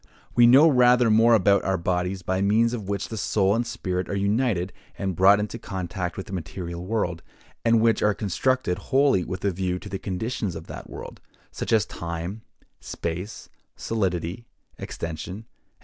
We know rather more about our bodies, by means of which the soul and spirit are united and brought into contact with the material world, and which are constructed wholly with a view to the conditions of that world; such as time, space, solidity, extension, &c.